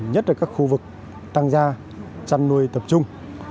nhất là các khu vực tăng gia chăn nuôi tập trung